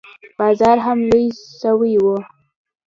بازار هم لوى سوى و.